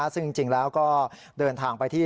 ซึ่งจริงแล้วก็เดินทางไปที่